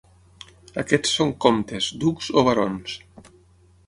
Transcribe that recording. Aquests són comtes, ducs o barons.